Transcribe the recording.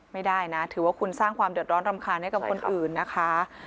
ไม่ได้นะถือว่าคุณสร้างความเดือดร้อนรำคาญให้กับคนอื่นนะคะ